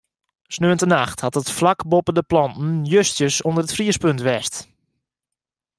Saterdeitenacht hat it flak boppe de planten justjes ûnder it friespunt west.